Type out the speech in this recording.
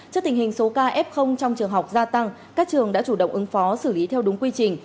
trước tình hình số ca f trong trường học gia tăng các trường đã chủ động ứng phó xử lý theo đúng quy trình